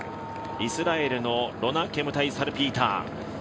イスラエルのロナ・ケムタイ・サルピーター